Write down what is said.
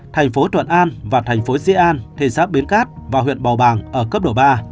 thành phố tuận an và thành phố di an thị xã biến cát và huyện bò bàng ở cấp độ ba